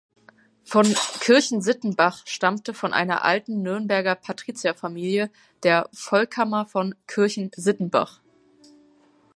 Von Kirchensittenbach stammte von einer alten Nürnberger Patrizierfamilie der Volckamer von Kirchensittenbach.